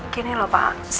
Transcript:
gini loh pak